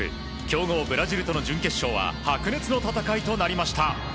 強豪ブラジルとの準決勝は白熱の戦いとなりました。